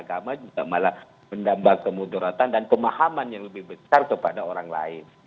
agar agama juga malah menambah kemuduratan dan pemahaman yang lebih besar kepada orang lain